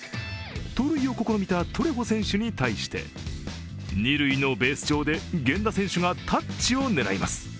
盗塁を試みたトレホ選手に対して、二塁のベース上で源田選手がタッチを狙います。